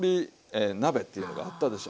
鍋っていうのがあったでしょ。